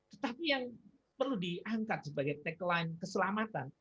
tetapi yang perlu diangkat sebagai tagline keselamatan